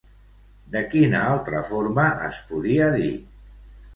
De quina altra forma es podia dir?